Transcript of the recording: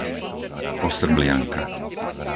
Osrblianka